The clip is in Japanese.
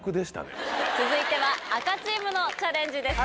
続いては赤チームのチャレンジです。